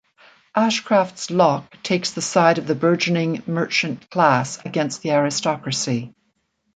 Ashcraft's Locke takes the side of the burgeoning merchant class against the aristocracy.